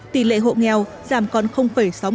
tỷ lệ hộ nghèo giảm còn sáu mươi ba